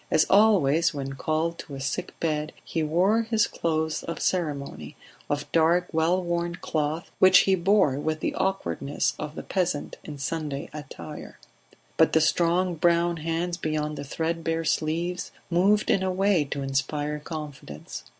As always when called to a sick bed, he wore his clothes of ceremony, of dark wellworn cloth, which he bore with the awkwardness of the peasant in Sunday attire. But the strong brown hands beyond the thread bare sleeves moved in a way to inspire confidence.